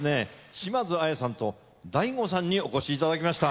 島津亜矢さんとＤＡＩＧＯさんにお越しいただきました。